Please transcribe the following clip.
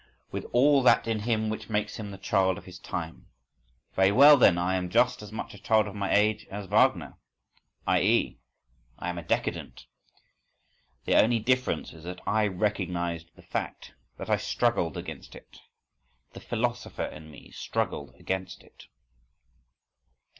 With all that in him which makes him the child of his time. Very well then! I am just as much a child of my age as Wagner—i.e., I am a decadent. The only difference is that I recognised the fact, that I struggled against it. The philosopher in me struggled against it.